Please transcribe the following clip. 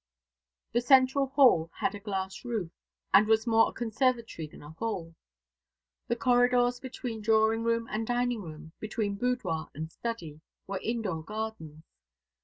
The central hall had a glass roof, and was more a conservatory than a hall. The corridors between drawing room and dining room, between boudoir and study, were indoor gardens.